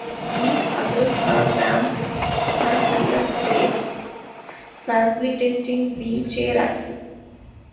These others have ramps as well as stairs, facilitating wheelchair access.